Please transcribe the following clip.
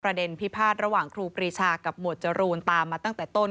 พิพาทระหว่างครูปรีชากับหมวดจรูนตามมาตั้งแต่ต้น